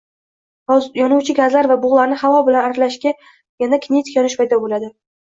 yonuvchi gazlar va bug’larni havo bilan aralashganda kinetik yonish paydo bo'ladi